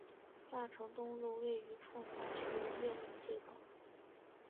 大成东路站位于奉化区岳林街道。